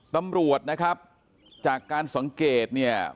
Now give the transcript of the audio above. ตำรวจนะครับจากการสังเกตเนี่ย